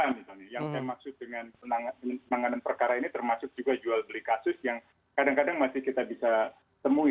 misalnya yang saya maksud dengan penanganan perkara ini termasuk juga jual beli kasus yang kadang kadang masih kita bisa temui